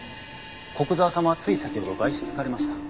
古久沢様はつい先ほど外出されました。